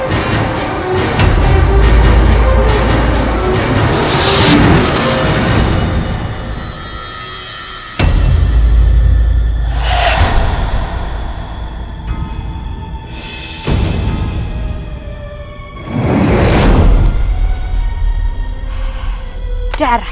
jangan bunuh saya